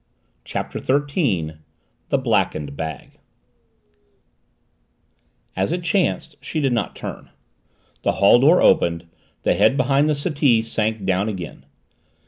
CHAPTER THIRTEEN THE BLACKENED BAG As it chanced, she did not turn. The hall door opened the head behind the settee sank down again.